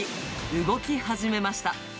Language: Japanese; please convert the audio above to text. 動き始めました。